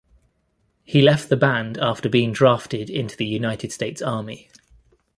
He left the band after being drafted into the United States Army.